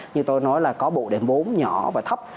như tôi nói là có bộ đềm vốn nhỏ và thấp